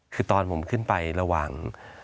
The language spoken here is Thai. คือตอนผมขึ้นไประหว่าง